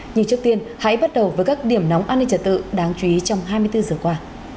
nhưng trước tiên hãy bắt đầu với các điểm nóng an ninh trật tự đáng chú ý trong hai mươi bốn giờ qua